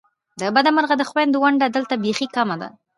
د بده مرغه د خوېندو ونډه دلته بیخې کمه ده !